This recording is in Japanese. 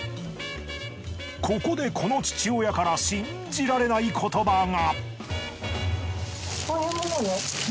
ここでこの父親から信じられない言葉が。